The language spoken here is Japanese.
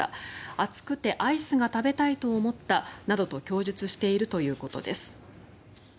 暑くてアイスが食べたいと思ったなどと供述しているということです。